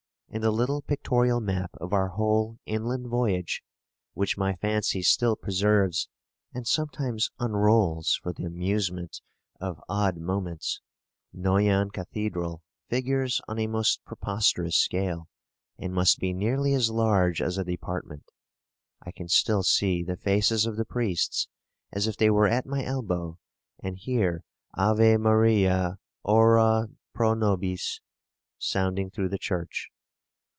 In the little pictorial map of our whole Inland Voyage, which my fancy still preserves, and sometimes unrolls for the amusement of odd moments, Noyon cathedral figures on a most preposterous scale, and must be nearly as large as a department. I can still see the faces of the priests as if they were at my elbow, and hear Ave Maria, ora pro nobis, sounding through the church.